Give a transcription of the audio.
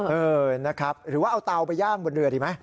เออนะครับหรือว่าเอาเตาไปย่างบนเรือดีไหม